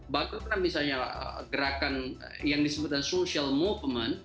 bagus kan misalnya gerakan yang disebut social movement